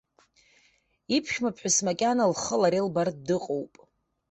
Иԥшәмаԥҳәыс макьана лхы лара илбартә дыҟоуп.